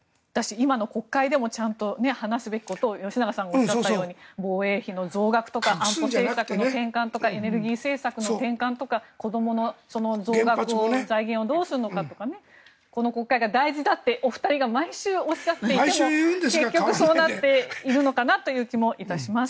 今の国会でもちゃんと話すべきことを吉永さんがおっしゃったように防衛費の増額とか安保政策の転換とかエネルギー政策の転換とか子どもの財源をどうするのかとかこの国会が大事だとお二人が毎週おっしゃっているんですが結局そうなっているのかなという気もいたします。